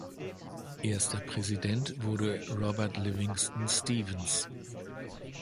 Erster Präsident wurde Robert Livingston Stevens.